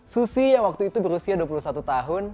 susi yang waktu itu berusia dua puluh satu tahun